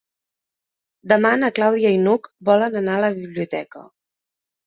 Demà na Clàudia i n'Hug volen anar a la biblioteca.